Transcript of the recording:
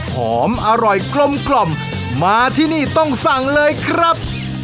หอมอร่อยกลมกล่อมมาที่นี่ต้องสั่งเลยครับ